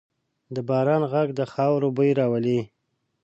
د باران ږغ د خاورو بوی راولي.